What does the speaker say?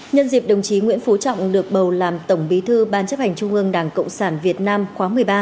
nhân dịp đồng chí nguyễn phú trọng được bầu làm tổng bí thư ban chấp hành trung ương đảng cộng sản việt nam khóa một mươi ba